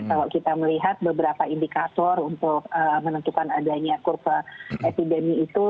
kalau kita melihat beberapa indikator untuk menentukan adanya kurva epidemi itu